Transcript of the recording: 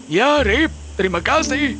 ya rip terima kasih